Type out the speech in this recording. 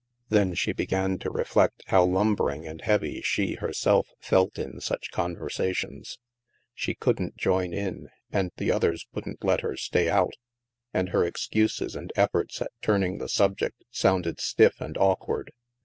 Then she began to reflect how lumbering and heavy she, herself, felt in such conversations. She THE MAELSTROM i8i couldn't join in, and the others wouldn't let her stay out ; and her excuses and efforts at turning the subject sounded stiff and awkward.